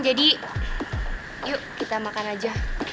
jadi yuk kita makan aja